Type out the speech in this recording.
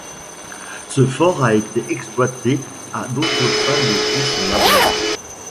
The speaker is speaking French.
Ce fort a été exploité à d'autres fins depuis son abandon.